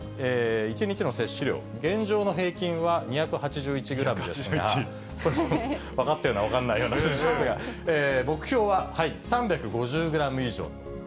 １日の摂取量、現状の平均は２８１グラムですが、これ、分かったような分かんないような数字ですが、目標は３５０グラム以上。